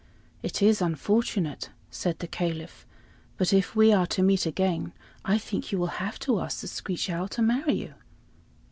"It is unfortunate," said the Caliph, "but if we are to meet again, I think you will have to ask the screech owl to marry you."